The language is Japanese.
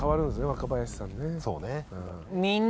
若林さんね。